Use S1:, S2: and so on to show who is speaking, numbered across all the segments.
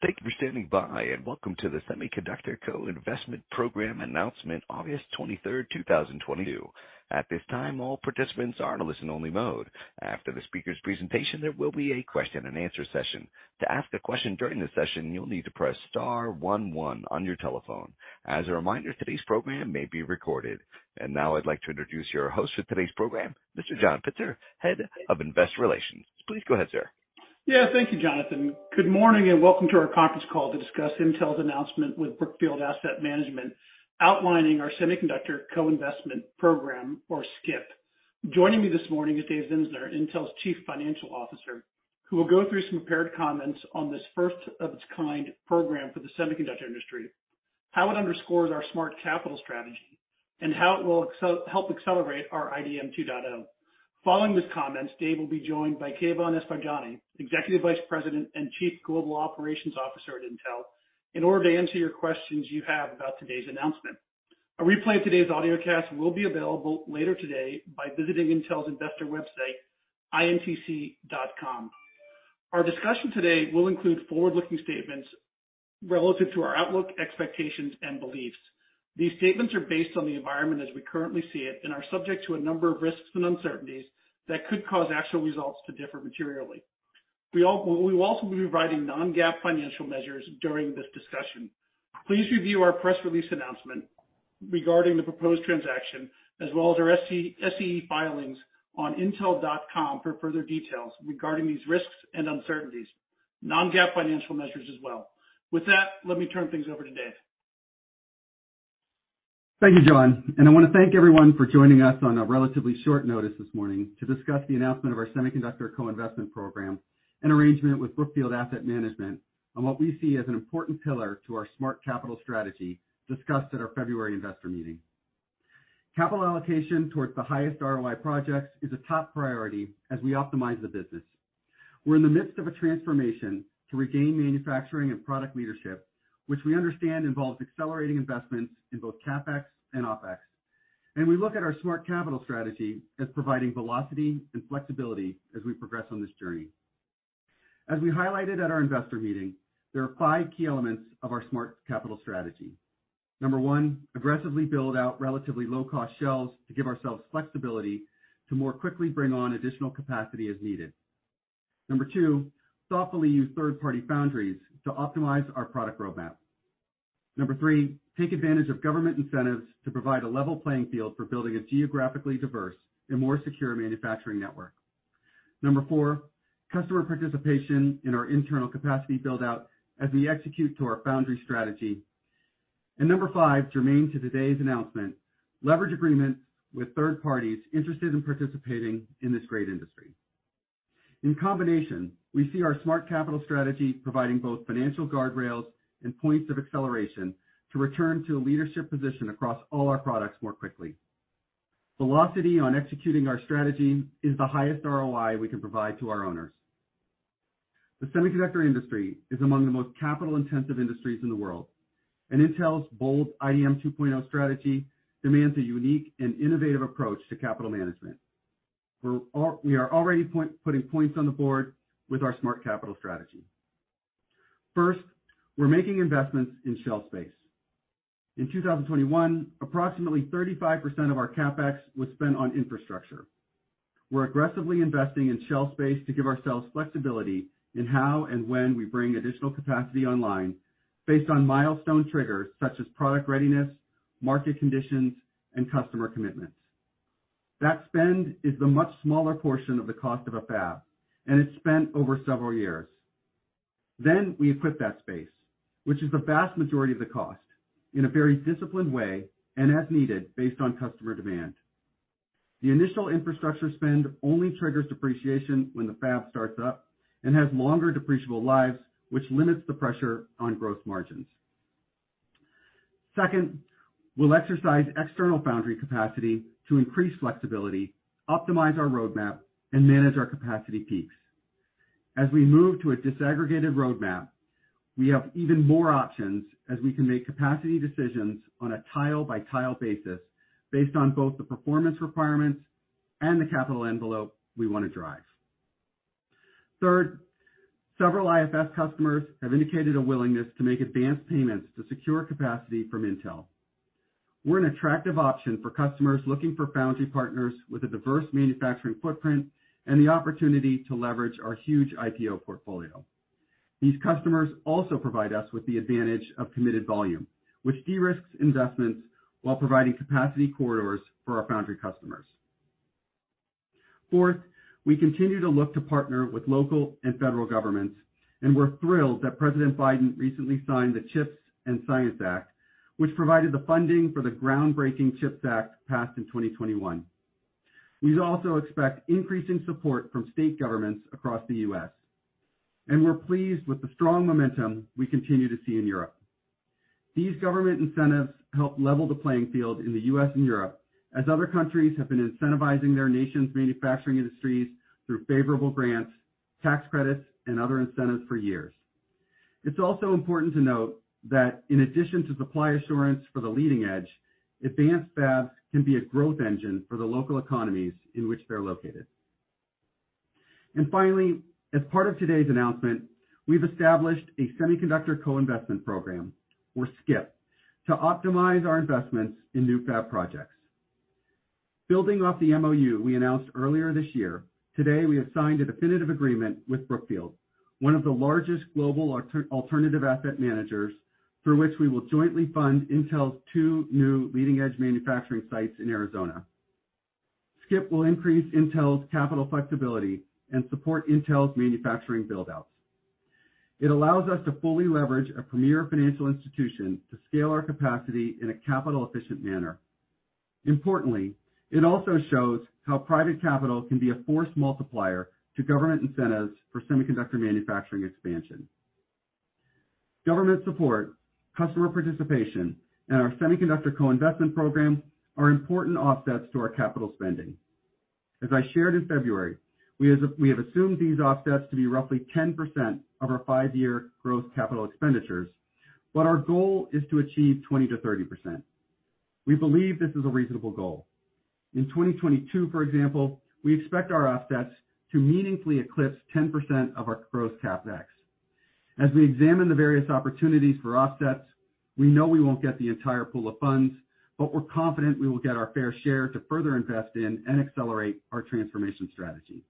S1: Thank you for standing by, and welcome to the Semiconductor Co-Investment Program announcement August 23rd, 2022. At this time, all participants are in a listen-only mode. After the speaker's presentation, there will be a question and answer session. To ask a question during this session, you'll need to press star one one on your telephone. As a reminder, today's program may be recorded. Now I'd like to introduce your host for today's program, Mr. John Pitzer, head of Investor Relations. Please go ahead, sir.
S2: Yeah, thank you, Jonathan. Good morning and welcome to our conference call to discuss Intel's announcement with Brookfield Asset Management, outlining our semiconductor co-investment program or SCIP. Joining me this morning is Dave Zinsner, Intel's Chief Financial Officer, who will go through some prepared comments on this first of its kind program for the semiconductor industry, how it underscores our smart capital strategy, and how it will help accelerate our IDM 2.0. Following his comments, Dave will be joined by Keyvan Esfarjani, Executive Vice President and Chief Global Operations Officer at Intel, in order to answer your questions you have about today's announcement. A replay of today's audiocast will be available later today by visiting Intel's investor website, intc.com. Our discussion today will include forward-looking statements relative to our outlook, expectations, and beliefs. These statements are based on the environment as we currently see it and are subject to a number of risks and uncertainties that could cause actual results to differ materially. We will also be providing non-GAAP financial measures during this discussion. Please review our press release announcement regarding the proposed transaction, as well as our SEC filings on intel.com for further details regarding these risks and uncertainties, non-GAAP financial measures as well. With that, let me turn things over to Dave.
S3: Thank you, John, and I want to thank everyone for joining us on a relatively short notice this morning to discuss the announcement of our semiconductor co-investment program and arrangement with Brookfield Asset Management on what we see as an important pillar to our smart capital strategy discussed at our February investor meeting. Capital allocation towards the highest ROI projects is a top priority as we optimize the business. We're in the midst of a transformation to regain manufacturing and product leadership, which we understand involves accelerating investments in both CapEx and OpEx. We look at our smart capital strategy as providing velocity and flexibility as we progress on this journey. As we highlighted at our investor meeting, there are five key elements of our smart capital strategy. Number one, aggressively build out relatively low-cost shells to give ourselves flexibility to more quickly bring on additional capacity as needed. Number two, thoughtfully use third-party foundries to optimize our product roadmap. Number three, take advantage of government incentives to provide a level playing field for building a geographically diverse and more secure manufacturing network. Number four, customer participation in our internal capacity build out as we execute to our foundry strategy. Number five, germane to today's announcement, leverage agreements with third parties interested in participating in this great industry. In combination, we see our smart capital strategy providing both financial guardrails and points of acceleration to return to a leadership position across all our products more quickly. Velocity on executing our strategy is the highest ROI we can provide to our owners. The semiconductor industry is among the most capital-intensive industries in the world, and Intel's bold IDM 2.0 strategy demands a unique and innovative approach to capital management. We are already putting points on the board with our smart capital strategy. First, we're making investments in shell space. In 2021, approximately 35% of our CapEx was spent on infrastructure. We're aggressively investing in shell space to give ourselves flexibility in how and when we bring additional capacity online based on milestone triggers such as product readiness, market conditions, and customer commitments. That spend is the much smaller portion of the cost of a fab, and it's spent over several years. We equip that space, which is the vast majority of the cost, in a very disciplined way and as needed based on customer demand. The initial infrastructure spend only triggers depreciation when the fab starts up and has longer depreciable lives, which limits the pressure on growth margins. Second, we'll exercise external foundry capacity to increase flexibility, optimize our roadmap, and manage our capacity peaks. As we move to a disaggregated roadmap, we have even more options as we can make capacity decisions on a tile-by-tile basis based on both the performance requirements and the capital envelope we want to drive. Third, several IFS customers have indicated a willingness to make advanced payments to secure capacity from Intel. We're an attractive option for customers looking for foundry partners with a diverse manufacturing footprint and the opportunity to leverage our huge IP portfolio. These customers also provide us with the advantage of committed volume, which de-risks investments while providing capacity corridors for our foundry customers. Fourth, we continue to look to partner with local and federal governments, and we're thrilled that President Biden recently signed the CHIPS and Science Act, which provided the funding for the groundbreaking CHIPS Act passed in 2021. We also expect increasing support from state governments across the U.S., and we're pleased with the strong momentum we continue to see in Europe. These government incentives help level the playing field in the U.S. and Europe as other countries have been incentivizing their nation's manufacturing industries through favorable grants, tax credits, and other incentives for years. It's also important to note that in addition to supply assurance for the leading edge, advanced fabs can be a growth engine for the local economies in which they're located. Finally, as part of today's announcement, we've established a semiconductor co-investment program, or SCIP, to optimize our investments in new fab projects. Building off the MOU we announced earlier this year, today, we have signed a definitive agreement with Brookfield, one of the largest global alternative asset managers, through which we will jointly fund Intel's two new leading-edge manufacturing sites in Arizona. SCIP will increase Intel's capital flexibility and support Intel's manufacturing build-outs. It allows us to fully leverage a premier financial institution to scale our capacity in a capital-efficient manner. Importantly, it also shows how private capital can be a force multiplier to government incentives for semiconductor manufacturing expansion. Government support, customer participation, and our semiconductor co-investment program are important offsets to our capital spending. As I shared in February, we have assumed these offsets to be roughly 10% of our five-year growth capital expenditures, but our goal is to achieve 20%-30%. We believe this is a reasonable goal. In 2022, for example, we expect our offsets to meaningfully eclipse 10% of our gross CapEx. As we examine the various opportunities for offsets, we know we won't get the entire pool of funds, but we're confident we will get our fair share to further invest in and accelerate our transformation strategy.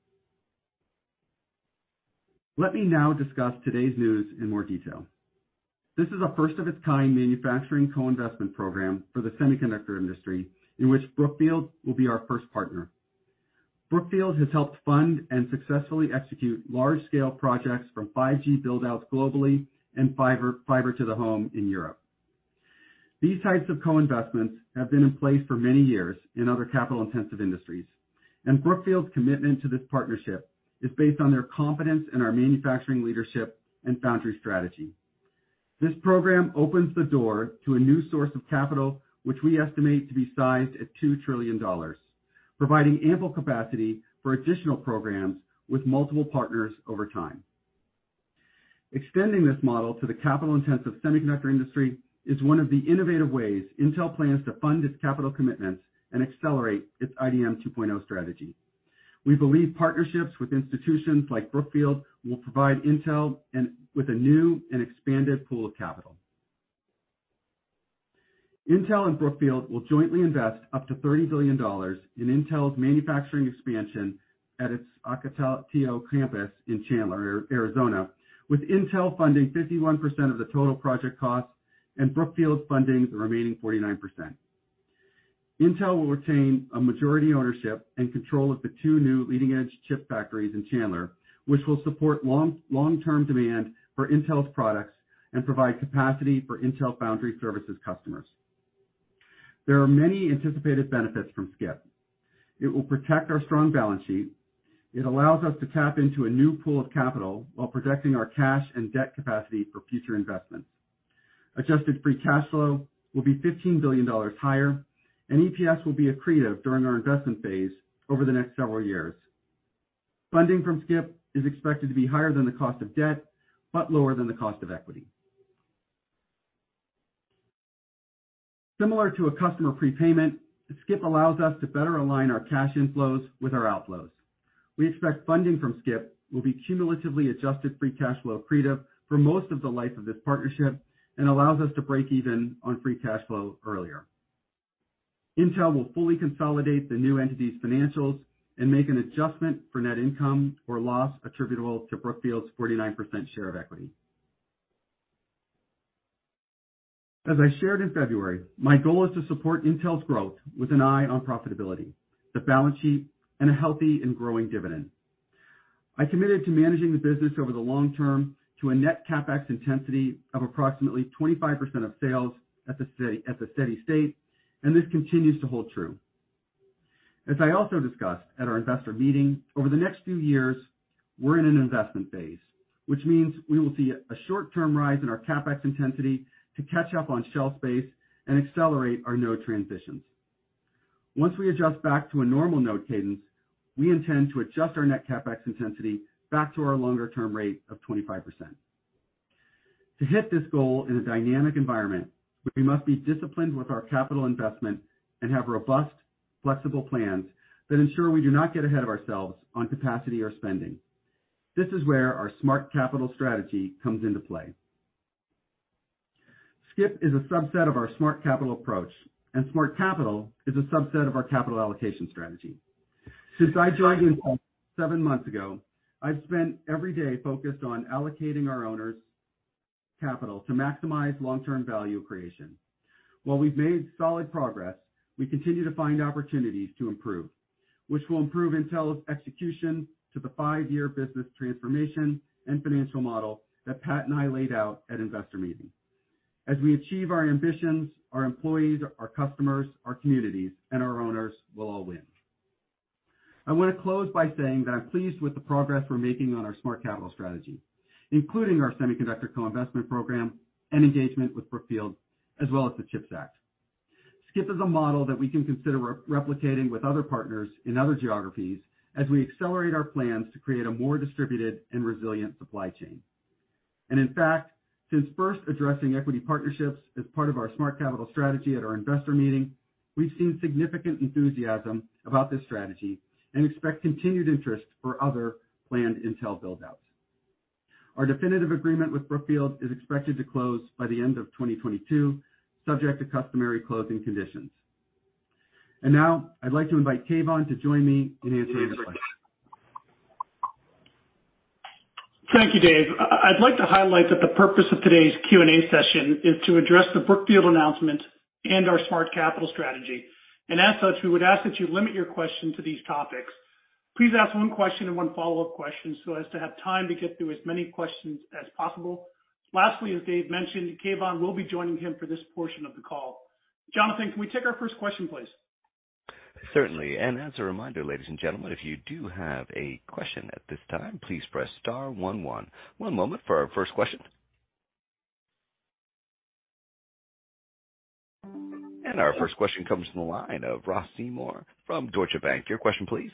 S3: Let me now discuss today's news in more detail. This is a first of its kind manufacturing co-investment program for the semiconductor industry, in which Brookfield will be our first partner. Brookfield has helped fund and successfully execute large-scale projects from 5G build-outs globally and fiber to the home in Europe. These types of co-investments have been in place for many years in other capital-intensive industries, and Brookfield's commitment to this partnership is based on their confidence in our manufacturing leadership and foundry strategy. This program opens the door to a new source of capital, which we estimate to be sized at $2 trillion, providing ample capacity for additional programs with multiple partners over time. Extending this model to the capital-intensive semiconductor industry is one of the innovative ways Intel plans to fund its capital commitments and accelerate its IDM 2.0 strategy. We believe partnerships with institutions like Brookfield will provide Intel with a new and expanded pool of capital. Intel and Brookfield will jointly invest up to $30 billion in Intel's manufacturing expansion at its Ocotillo Campus in Chandler, Arizona, with Intel funding 51% of the total project cost and Brookfield funding the remaining 49%. Intel will retain a majority ownership and control of the two new leading-edge chip factories in Chandler, which will support long-term demand for Intel's products and provide capacity for Intel Foundry Services customers. There are many anticipated benefits from SCIP. It will protect our strong balance sheet. It allows us to tap into a new pool of capital while protecting our cash and debt capacity for future investments. Adjusted free cash flow will be $15 billion higher, and EPS will be accretive during our investment phase over the next several years. Funding from SCIP is expected to be higher than the cost of debt, but lower than the cost of equity. Similar to a customer prepayment, SCIP allows us to better align our cash inflows with our outflows. We expect funding from SCIP will be cumulatively adjusted free cash flow accretive for most of the life of this partnership and allows us to break even on free cash flow earlier. Intel will fully consolidate the new entity's financials and make an adjustment for net income or loss attributable to Brookfield's 49% share of equity. As I shared in February, my goal is to support Intel's growth with an eye on profitability, the balance sheet, and a healthy and growing dividend. I committed to managing the business over the long term to a net CapEx intensity of approximately 25% of sales at the steady state, and this continues to hold true. As I also discussed at our investor meeting, over the next few years, we're in an investment phase, which means we will see a short-term rise in our CapEx intensity to catch up on shelf space and accelerate our node transitions. Once we adjust back to a normal node cadence, we intend to adjust our net CapEx intensity back to our longer-term rate of 25%. To hit this goal in a dynamic environment, we must be disciplined with our capital investment and have robust, flexible plans that ensure we do not get ahead of ourselves on capacity or spending. This is where our smart capital strategy comes into play. SCIP is a subset of our smart capital approach, and smart capital is a subset of our capital allocation strategy. Since I joined Intel seven months ago, I've spent every day focused on allocating our owners' capital to maximize long-term value creation. While we've made solid progress, we continue to find opportunities to improve, which will improve Intel's execution to the five-year business transformation and financial model that Pat and I laid out at Investor Meeting. As we achieve our ambitions, our employees, our customers, our communities, and our owners will all win. I want to close by saying that I'm pleased with the progress we're making on our smart capital strategy, including our semiconductor co-investment program and engagement with Brookfield, as well as the CHIPS Act, SCIP is a model that we can consider replicating with other partners in other geographies as we accelerate our plans to create a more distributed and resilient supply chain. In fact, since first addressing equity partnerships as part of our smart capital strategy at our investor meeting, we've seen significant enthusiasm about this strategy and expect continued interest for other planned Intel build outs. Our definitive agreement with Brookfield is expected to close by the end of 2022, subject to customary closing conditions. Now I'd like to invite Keyvan to join me in answering the questions.
S2: Thank you, Dave. I'd like to highlight that the purpose of today's Q&A session is to address the Brookfield announcement and our smart capital strategy. As such, we would ask that you limit your question to these topics. Please ask one question and one follow-up question so as to have time to get through as many questions as possible. Lastly, as Dave mentioned, Keyvan will be joining him for this portion of the call. Jonathan, can we take our first question, please?
S1: Certainly. As a reminder, ladies and gentlemen, if you do have a question at this time, please press star one one. One moment for our first question. Our first question comes from the line of Ross Seymore from Deutsche Bank. Your question please.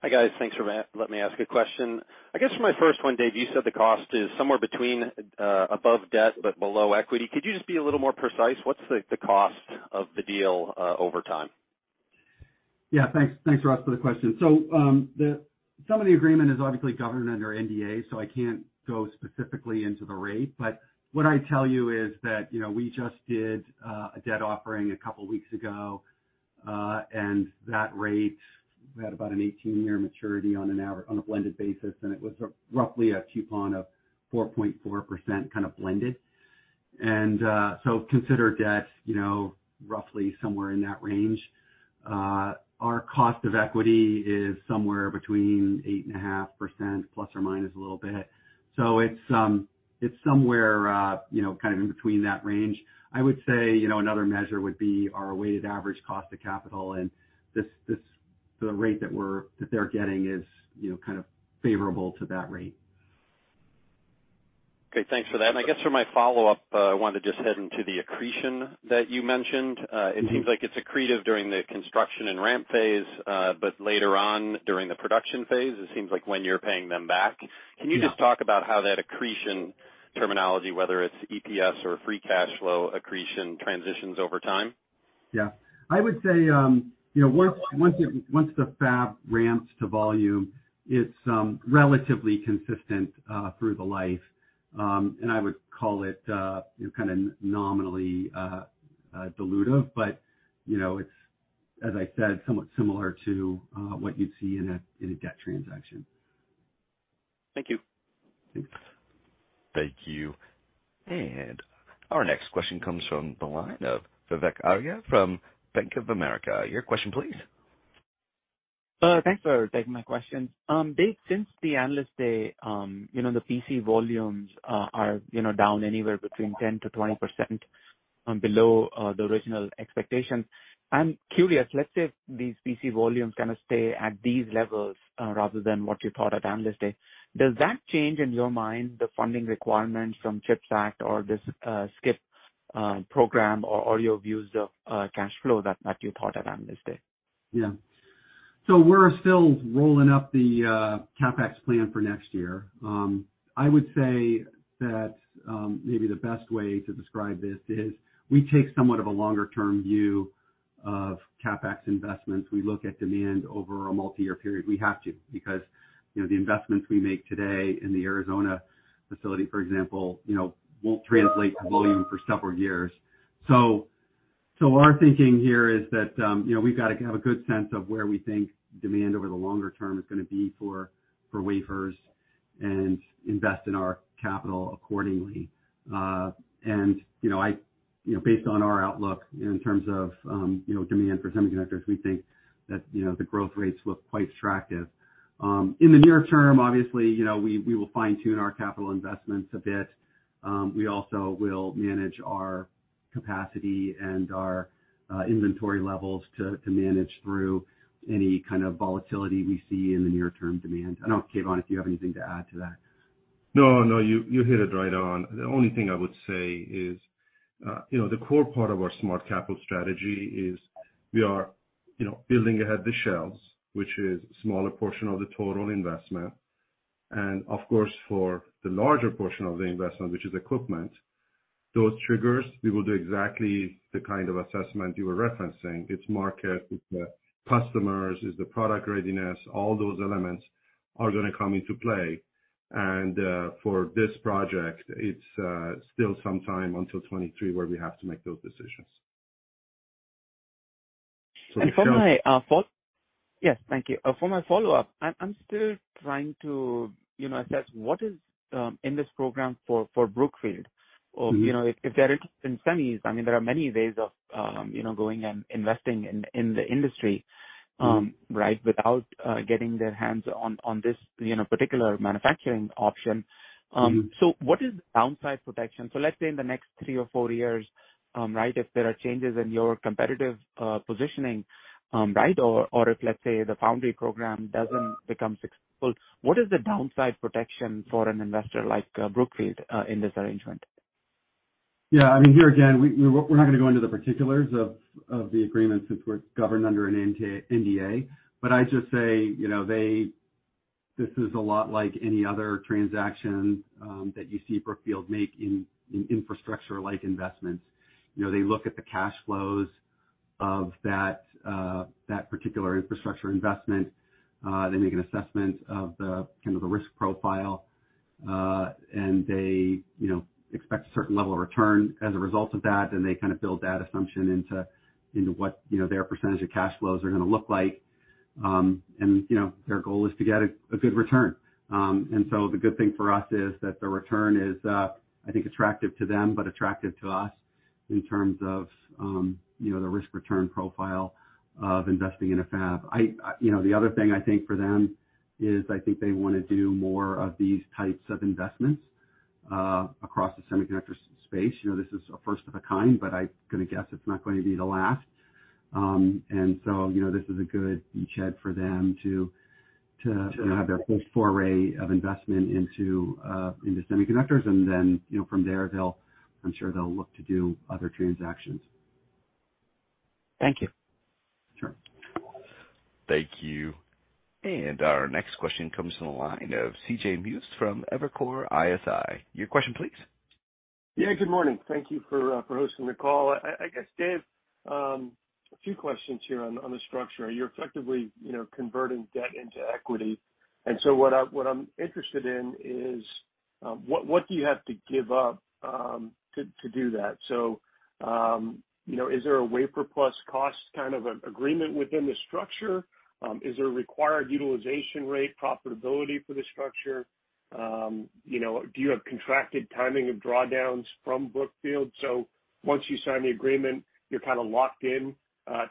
S4: Hi, guys. Thanks for letting me ask a question. I guess for my first one, Dave, you said the cost is somewhere between above debt, but below equity. Could you just be a little more precise? What's the cost of the deal over time?
S3: Yeah, thanks. Thanks, Ross, for the question. Some of the agreement is obviously governed under NDA, so I can't go specifically into the rate. But what I'd tell you is that, you know, we just did a debt offering a couple weeks ago, and that rate had about an 18-year maturity on a blended basis, and it was roughly a coupon of 4.4% kind of blended. Consider debt, you know, roughly somewhere in that range. Our cost of equity is somewhere between 8.5% plus or minus a little bit. It's somewhere, you know, kind of in between that range. I would say, you know, another measure would be our weighted average cost of capital. This, the rate that they're getting is, you know, kind of favorable to that rate.
S4: Okay, thanks for that. I guess for my follow-up, I wanted to just head into the accretion that you mentioned. It seems like it's accretive during the construction and ramp phase, but later on during the production phase, it seems like when you're paying them back.
S3: Yeah.
S4: Can you just talk about how that accretion terminology, whether it's EPS or free cash flow accretion, transitions over time?
S3: Yeah. I would say, you know, once the fab ramps to volume, it's relatively consistent through the life. I would call it, you know, kind of nominally dilutive, but, you know, it's, as I said, somewhat similar to what you'd see in a debt transaction.
S4: Thank you.
S3: Thanks.
S1: Thank you. Our next question comes from the line of Vivek Arya from Bank of America. Your question please.
S5: Thanks for taking my question. Dave, since the Analyst Day, you know, the PC volumes are, you know, down anywhere between 10-20% below the original expectations. I'm curious, let's say if these PC volumes kinda stay at these levels rather than what you thought at Analyst Day, does that change, in your mind, the funding requirements from CHIPS Act or this SCIP program or your views of cash flow that you thought at Analyst Day?
S3: Yeah. We're still rolling up the CapEx plan for next year. I would say that, maybe the best way to describe this is we take somewhat of a longer term view of CapEx investments. We look at demand over a multi-year period. We have to because, you know, the investments we make today in the Arizona facility, for example, you know, won't translate to volume for several years. Our thinking here is that, you know, we've got to have a good sense of where we think demand over the longer term is gonna be for wafers and invest in our capital accordingly. And, you know, I, you know, based on our outlook in terms of, you know, demand for semiconductors, we think that, you know, the growth rates look quite attractive. In the near term, obviously, you know, we will fine-tune our capital investments a bit. We also will manage our capacity and our inventory levels to manage through any kind of volatility we see in the near term demand. I don't know, Keyvan, if you have anything to add to that.
S6: No, you hit it right on. The only thing I would say is, you know, the core part of our smart capital strategy is we are, you know, building ahead the shelves, which is a smaller portion of the total investment. Of course, for the larger portion of the investment, which is equipment, those triggers, we will do exactly the kind of assessment you were referencing. It's the market, it's the customers, it's the product readiness. All those elements are gonna come into play. For this project, it's still some time until 2023 where we have to make those decisions.
S5: For my follow-up, I'm still trying to, you know, assess what is in this program for Brookfield. Or, you know, if they're interested in semis, I mean, there are many ways of, you know, going and investing in the industry, right? Without getting their hands on this, you know, particular manufacturing option. What is downside protection? Let's say in the next three or four years, right, if there are changes in your competitive positioning, right, or if, let's say, the foundry program doesn't become successful, what is the downside protection for an investor like Brookfield in this arrangement?
S3: Yeah, I mean, here again, we're not gonna go into the particulars of the agreement since we're governed under an NDA. But I'd just say, you know, this is a lot like any other transaction that you see Brookfield make in infrastructure-like investments. You know, they look at the cash flows of that particular infrastructure investment. They make an assessment of the kind of risk profile, and they, you know, expect a certain level of return as a result of that, and they kinda build that assumption into what, you know, their percentage of cash flows are gonna look like. And you know, their goal is to get a good return. The good thing for us is that the return is, I think, attractive to them, but attractive to us in terms of, you know, the risk return profile of investing in a fab. You know, the other thing I think for them is I think they wanna do more of these types of investments across the semiconductor space. You know, this is a first of a kind, but I'm gonna guess it's not going to be the last. You know, this is a good beachhead for them to have their first foray of investment into semiconductors and then, you know, from there, they'll, I'm sure, look to do other transactions.
S5: Thank you.
S3: Sure.
S1: Thank you. Our next question comes from the line of C.J. Muse from Evercore ISI. Your question please.
S7: Yeah, good morning. Thank you for hosting the call. I guess, Dave, a few questions here on the structure. You're effectively, you know, converting debt into equity, and what I'm interested in is what do you have to give up to do that? You know, is there a wafer plus cost kind of a agreement within the structure? Is there a required utilization rate profitability for the structure? You know, do you have contracted timing of drawdowns from Brookfield? Once you sign the agreement, you're kinda locked in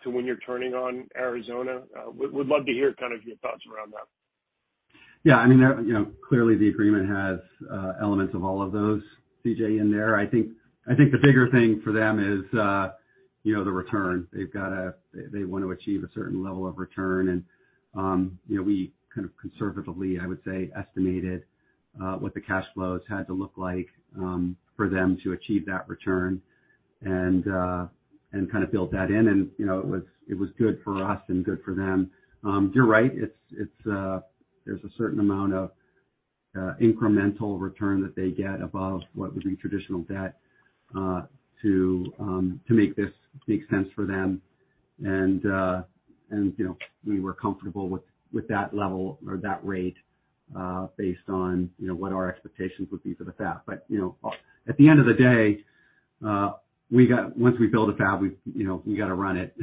S7: to when you're turning on Arizona. Would love to hear kind of your thoughts around that.
S3: Yeah, I mean, you know, clearly the agreement has elements of all of those, C.J., in there. I think the bigger thing for them is, you know, the return. They want to achieve a certain level of return and, you know, we kind of conservatively, I would say, estimated what the cash flows had to look like for them to achieve that return and kind of build that in. You know, it was good for us and good for them. You're right. There's a certain amount of incremental return that they get above what would be traditional debt to make this make sense for them. You know, we were comfortable with that level or that rate based on you know what our expectations would be for the fab. You know, at the end of the day, once we build a fab, we've you know we gotta run it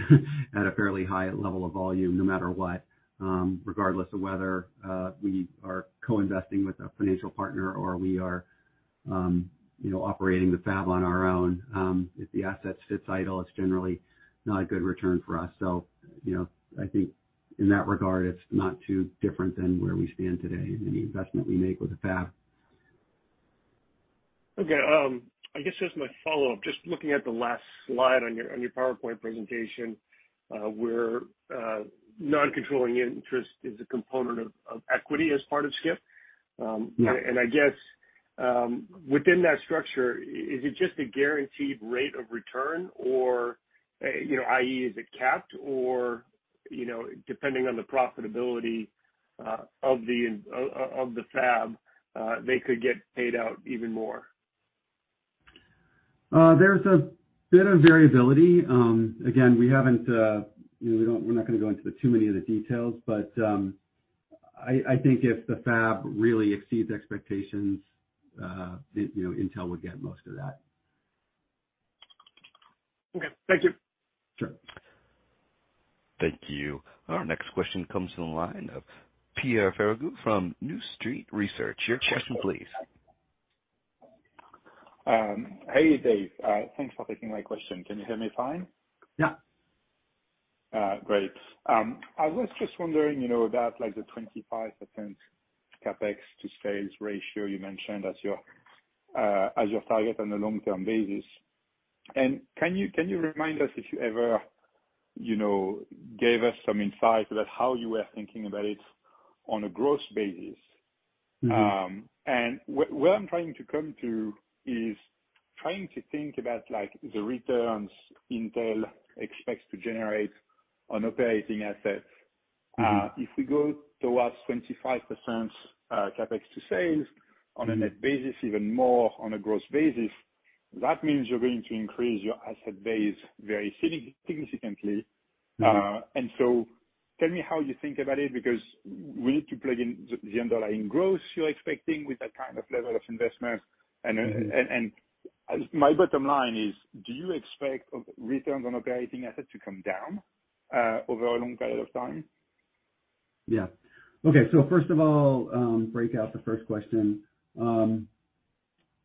S3: at a fairly high level of volume no matter what, regardless of whether we are co-investing with a financial partner or we are you know operating the fab on our own. If the asset sits idle, it's generally not a good return for us. You know, I think in that regard, it's not too different than where we stand today in any investment we make with a fab.
S7: Okay. I guess as my follow-up, just looking at the last slide on your PowerPoint presentation, where non-controlling interest is a component of equity as part of SCIP.
S3: Yeah.
S7: I guess, within that structure, is it just a guaranteed rate of return or, you know, i.e., is it capped or, you know, depending on the profitability of the fab, they could get paid out even more?
S3: There's a bit of variability. Again, you know, we're not gonna go into too many of the details, but I think if the fab really exceeds expectations, you know, Intel would get most of that.
S7: Okay. Thank you.
S3: Sure.
S1: Thank you. Our next question comes from the line of Pierre Ferragu from New Street Research. Your question please.
S8: Hey, Dave. Thanks for taking my question. Can you hear me fine?
S3: Yeah.
S8: Great. I was just wondering, you know, about like the 25% CapEx to sales ratio you mentioned as your target on a long-term basis. Can you remind us if you ever, you know, gave us some insight about how you were thinking about it on a gross basis?
S3: Mm-hmm.
S8: Where I'm trying to come to is trying to think about like the returns Intel expects to generate on operating assets.
S3: Mm-hmm.
S8: If we go towards 25%, CapEx to sales on a net basis, even more on a gross basis, that means you're going to increase your asset base very significantly.
S3: Mm-hmm.
S8: Tell me how you think about it because we need to plug in the underlying growth you're expecting with that kind of level of investment.
S3: Mm-hmm.
S8: My bottom line is, do you expect returns on operating assets to come down over a long period of time?
S3: Yeah. Okay, first of all, break out the first question. You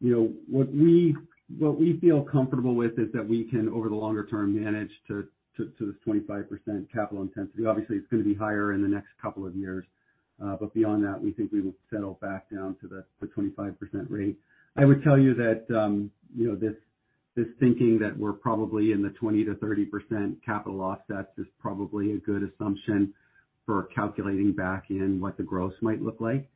S3: know, what we feel comfortable with is that we can, over the longer term, manage to this 25% capital intensity. Obviously, it's gonna be higher in the next couple of years, but beyond that, we think we will settle back down to the 25% rate. I would tell you that, you know, this thinking that we're probably in the 20%-30% capital offsets is probably a good assumption for calculating back in what the gross might look like.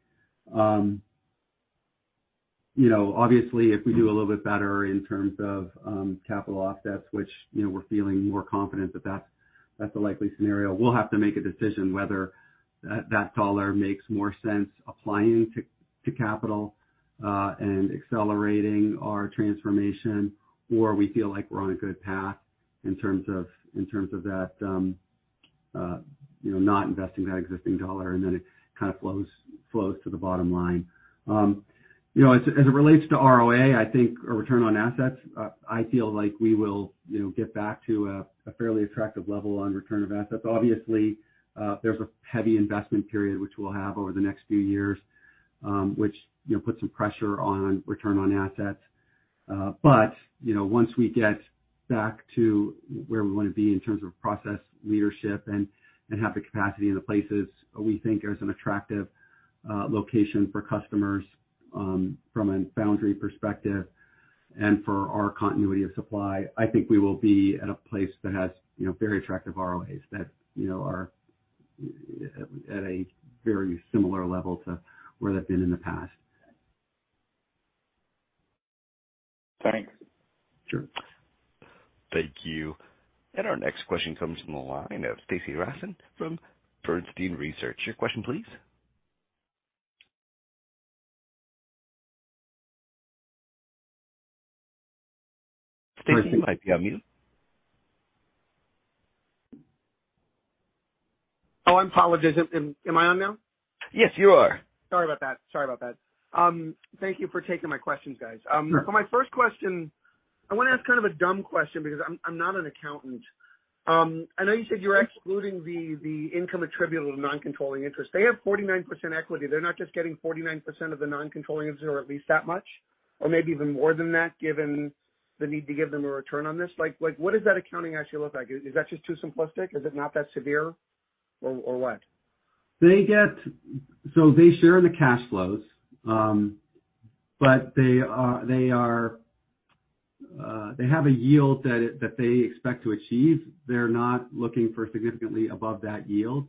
S3: You know, obviously, if we do a little bit better in terms of capital offsets, which, you know, we're feeling more confident that that's the likely scenario, we'll have to make a decision whether that dollar makes more sense applying to capital and accelerating our transformation, or we feel like we're on a good path in terms of that, you know, not investing that existing dollar, and then it kind of flows to the bottom line. You know, as it relates to ROA, I think, or return on assets, I feel like we will, you know, get back to a fairly attractive level on return on assets. Obviously, there's a heavy investment period which we'll have over the next few years, which, you know, puts some pressure on return on assets. You know, once we get back to where we wanna be in terms of process, leadership, and have the capacity in the places we think there's an attractive location for customers, from a foundry perspective and for our continuity of supply, I think we will be at a place that has, you know, very attractive ROAs that, you know, are at a very similar level to where they've been in the past.
S8: Thanks.
S3: Sure.
S1: Thank you. Our next question comes from the line of Stacy Rasgon from Bernstein Research. Your question, please. Stacy, you might be on mute.
S9: Oh, apologies. Am I on now?
S1: Yes, you are.
S9: Sorry about that. Thank you for taking my questions, guys.
S3: Sure.
S9: For my first question, I want to ask kind of a dumb question because I'm not an accountant. I know you said you're excluding the income attributable to non-controlling interest. They have 49% equity. They're not just getting 49% of the non-controlling interest or at least that much, or maybe even more than that, given the need to give them a return on this. Like, what does that accounting actually look like? Is that just too simplistic? Is it not that severe or what?
S3: They share in the cash flows, but they are, they have a yield that they expect to achieve. They're not looking for significantly above that yield.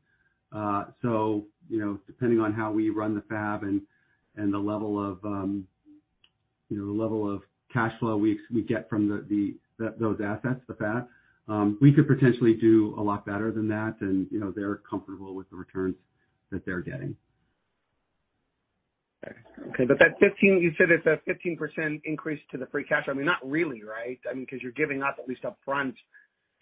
S3: You know, depending on how we run the fab and the level of cash flow we get from those assets, the fab, we could potentially do a lot better than that and, you know, they're comfortable with the returns that they're getting.
S9: Okay. You said it's a 15% increase to the free cash. I mean, not really, right? I mean, 'cause you're giving up at least up front,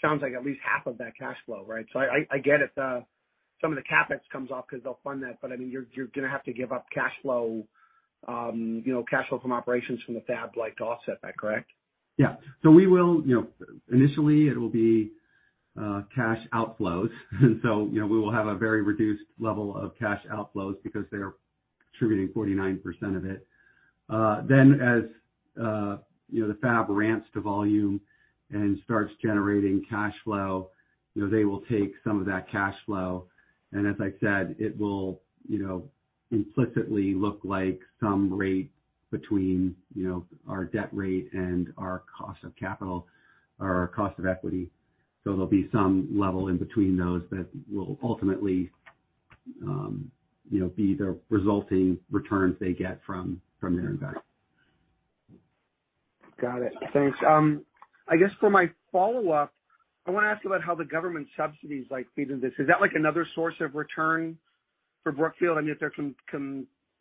S9: sounds like at least half of that cash flow, right? I get it, some of the CapEx comes off 'cause they'll fund that, but I mean, you're gonna have to give up cash flow, you know, cash flow from operations from the fab, like, to offset that, correct?
S3: We will, you know, initially it will be cash outflows. We will have a very reduced level of cash outflows because they're contributing 49% of it. Then as, you know, the fab ramps to volume and starts generating cash flow, you know, they will take some of that cash flow. As I said, it will, you know, implicitly look like some rate between, you know, our debt rate and our cost of capital or our cost of equity. There'll be some level in between those that will ultimately, you know, be the resulting returns they get from their investment.
S9: Got it. Thanks. I guess for my follow-up, I wanna ask about how the government subsidies, like, feed into this. Is that, like, another source of return for Brookfield? I mean, if they're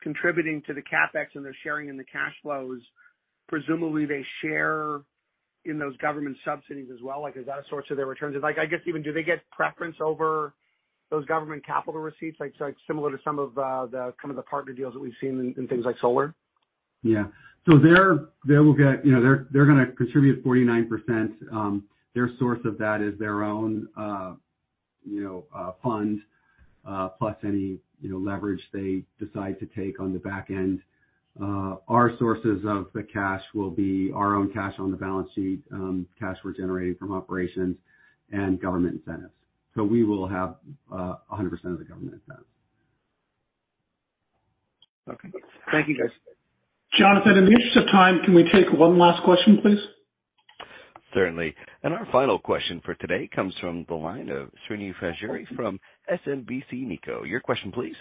S9: contributing to the CapEx and they're sharing in the cash flows, presumably they share in those government subsidies as well. Like, is that a source of their returns? I guess even do they get preference over those government capital receipts, like, similar to some of the kind of partner deals that we've seen in things like solar?
S3: They’re gonna contribute 49%. Their source of that is their own, you know, fund, plus any, you know, leverage they decide to take on the back end. Our sources of the cash will be our own cash on the balance sheet, cash we’re generating from operations and government incentives. We will have 100% of the government incentives.
S9: Okay. Thank you, guys.
S1: Jonathan, in the interest of time, can we take one last question, please? Certainly. Our final question for today comes from the line of Srini Pajjuri from SMBC Nikko. Your question, please.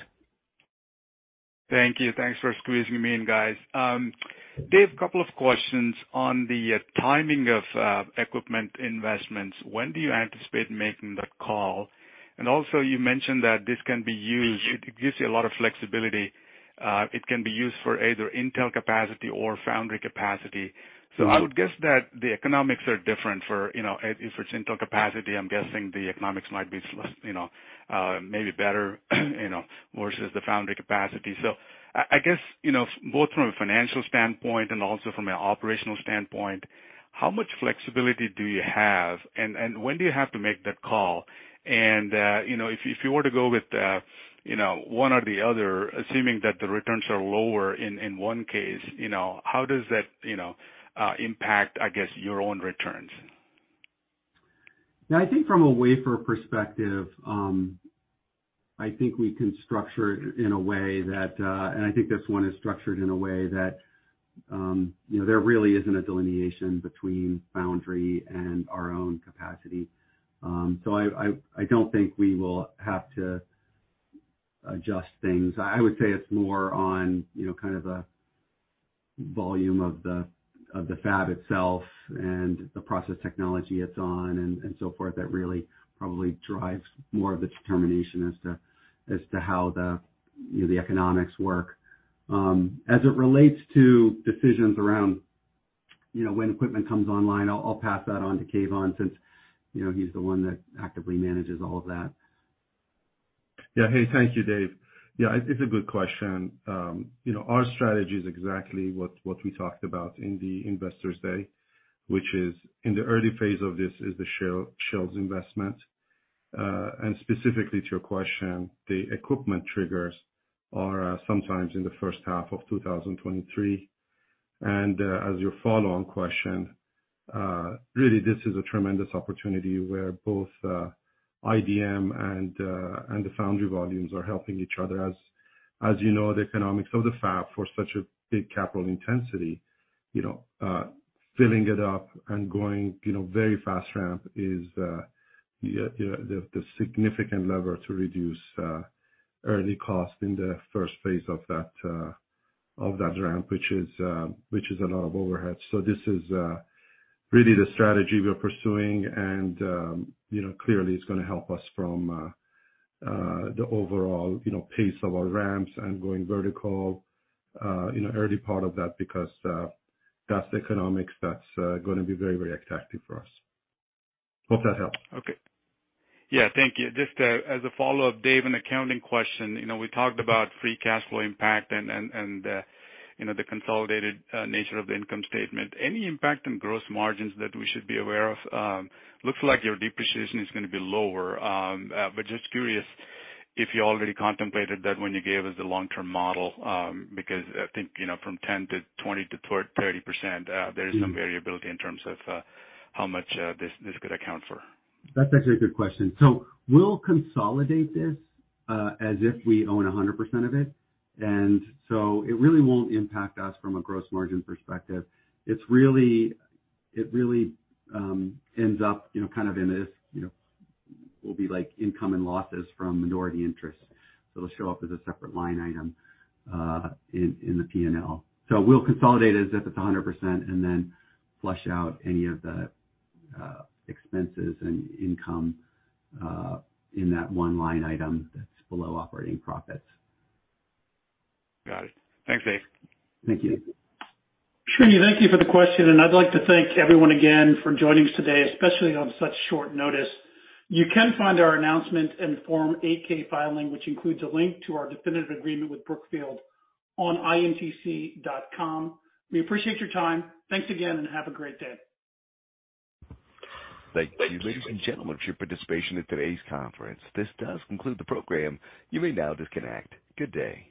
S10: Thank you. Thanks for squeezing me in, guys. Dave, couple of questions on the timing of equipment investments. When do you anticipate making that call? Also you mentioned that this can be used, it gives you a lot of flexibility, it can be used for either Intel capacity or foundry capacity. I would guess that the economics are different for, you know, if it's Intel capacity, I'm guessing the economics might be, you know, maybe better, you know, versus the foundry capacity. I guess, you know, both from a financial standpoint and also from an operational standpoint, how much flexibility do you have? When do you have to make that call? You know, if you were to go with, you know, one or the other, assuming that the returns are lower in one case, you know, how does that, you know, impact, I guess, your own returns?
S3: Yeah, I think from a wafer perspective, I think we can structure it in a way that, and I think this one is structured in a way that, you know, there really isn't a delineation between foundry and our own capacity. So I don't think we will have to adjust things. I would say it's more on, you know, kind of a volume of the fab itself and the process technology it's on and so forth that really probably drives more of the determination as to how the, you know, the economics work. As it relates to decisions around, you know, when equipment comes online, I'll pass that on to Keyvan since, you know, he's the one that actively manages all of that.
S6: Yeah. Hey, thank you, Dave. Yeah, it's a good question. You know, our strategy is exactly what we talked about in the Investor Day, which is in the early phase of this is the Shell's investment. Specifically to your question, the equipment triggers are sometimes in the first half of 2023. As your follow-on question, really this is a tremendous opportunity where both IDM and the foundry volumes are helping each other. As you know, the economics of the fab for such a big capital intensity, you know, filling it up and going very fast ramp is the significant lever to reduce early cost in the first phase of that ramp, which is a lot of overhead. This is really the strategy we're pursuing and, you know, clearly it's gonna help us from the overall, you know, pace of our ramps and going vertical in the early part of that because that's economics that's gonna be very, very attractive for us. Hope that helps.
S10: Okay. Yeah. Thank you. Just, as a follow-up, Dave, an accounting question. You know, we talked about free cash flow impact and you know, the consolidated nature of the income statement. Any impact on gross margins that we should be aware of? Looks like your depreciation is gonna be lower. But just curious if you already contemplated that when you gave us the long-term model, because I think, you know, from 10% to 20% to 30%, there is some variability in terms of how much this could account for.
S3: That's actually a good question. We'll consolidate this as if we own 100% of it, and it really won't impact us from a gross margin perspective. It really ends up, you know, kind of in this, you know, will be like income and losses from minority interests. It'll show up as a separate line item in the P&L. We'll consolidate it as if it's 100% and then flush out any of the expenses and income in that one line item that's below operating profits.
S10: Got it. Thanks, Dave.
S3: Thank you.
S2: Srini, thank you for the question, and I'd like to thank everyone again for joining us today, especially on such short notice. You can find our announcement and Form 8-K filing, which includes a link to our definitive agreement with Brookfield on intc.com. We appreciate your time. Thanks again, and have a great day.
S1: Thank you, ladies and gentlemen, for your participation in today's conference. This does conclude the program. You may now disconnect. Good day.